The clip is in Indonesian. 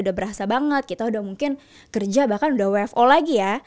udah berasa banget kita udah mungkin kerja bahkan udah wfo lagi ya